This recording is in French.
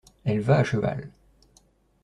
Elle va à cheval.